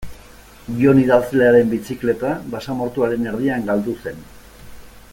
Jon idazlearen bizikleta basamortuaren erdian galdu zen.